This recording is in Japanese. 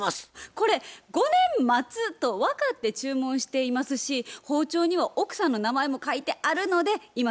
これ５年待つと分かって注文していますし包丁には奥さんの名前も書いてあるので今更キャンセルなんて無理だと思います。